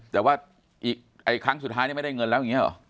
แต่ว่าครั้งสุดท้ายไม่ได้เงินแล้วอย่างนี้หรอ